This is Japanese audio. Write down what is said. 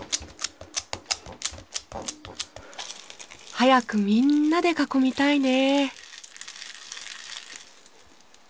早くみんなで囲みたいね。